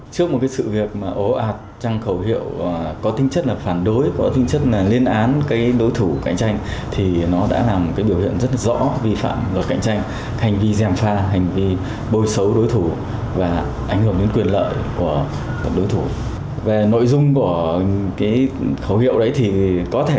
trước một sự việc ố ạt trong khẩu hiệu có tinh chất là phản đối có tinh chất là liên án đối thủ cạnh tranh thì nó đã làm biểu hiện rất rõ vi phạm luật cạnh tranh hành vi giảm pha hành vi bôi xấu đối thủ và ảnh hưởng đến quyền lợi của đối thủ